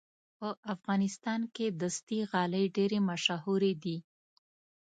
په افغانستان کې دستي غالۍ ډېرې مشهورې دي.